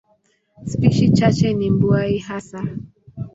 Spishi chache ni mbuai hasa.